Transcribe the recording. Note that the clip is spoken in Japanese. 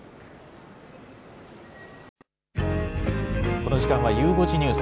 この時間はゆう５時ニュース。